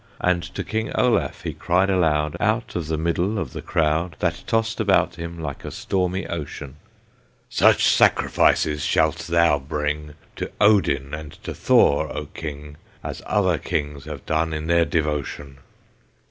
And to King Olaf he cried aloud, Out of the middle of the crowd, That tossed about him like a stormy ocean: "Such sacrifices shalt thou bring; To Odin and to Thor, O King, As other kings have done in their devotion!"